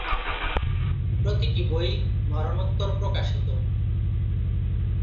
প্রতিটি বই মরণোত্তর প্রকাশিত।